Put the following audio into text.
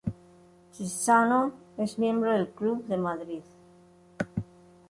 Chissano es miembro del Club de Madrid.